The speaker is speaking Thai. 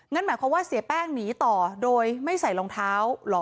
หมายความว่าเสียแป้งหนีต่อโดยไม่ใส่รองเท้าเหรอ